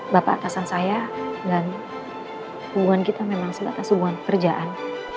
bapak atasan saya dan hubungan kita memang sebatas hubungan kerjaan